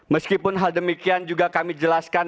meskipun hal demikian juga kami jelaskan